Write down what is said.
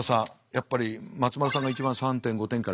やっぱり松丸さんが一番３．５点から４って。